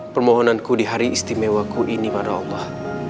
permohonanku di hari istimewaku ini pada allah